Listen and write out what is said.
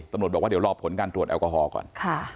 ตำรวจบอกว่าเดี๋ยวรอผลการตรวจแอลกอฮอล์ก่อน